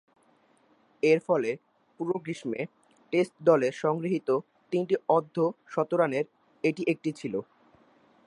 এরফলে, পুরো গ্রীষ্মে টেস্ট দলের সংগৃহীত তিনটি অর্ধ-শতরানের এটি একটি ছিল।